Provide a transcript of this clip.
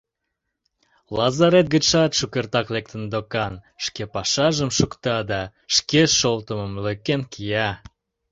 Лазарет гычшат шукертак лектын докан, шке пашажым шукта да шке шолтымым лӧкен кия.